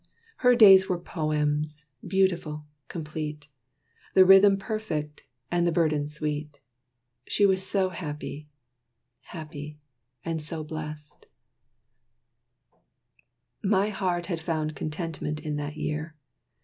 Her days were poems, beautiful, complete. The rhythm perfect, and the burden sweet. She was so happy happy, and so blest. My heart had found contentment in that year.